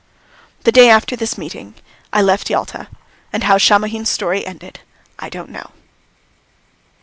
The day after this meeting I left Yalta and how Shamohin's story ended I don't know.